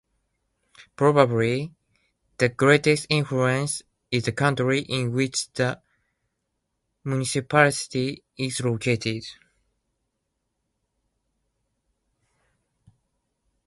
Probably the greatest influence is the country in which the municipality is located.